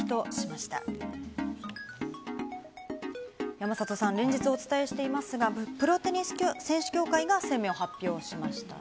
山里さん、連日お伝えしていますが、プロテニス選手協会が声明を発表しましたね。